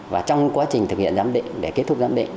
và trong quá trình thực hiện giám định để kết thúc giám định